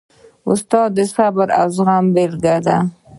استاد د صبر او زغم بېلګه ده.